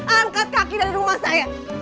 angkat kaki dari rumah saya